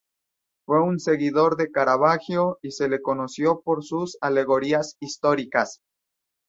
Fue un seguidor de Caravaggio y se lo conoció por sus alegorías históricas.